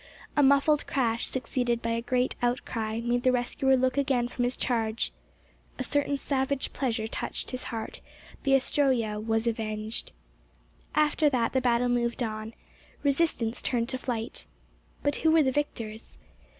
A muffled crash, succeeded by a great outcry, made the rescuer look again from his charge. A certain savage pleasure touched his heart—the Astroea was avenged. After that the battle moved on. Resistance turned to flight. But who were the victors?